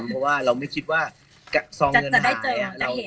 เพราะว่าเราไม่คิดว่าซองเงินหายไป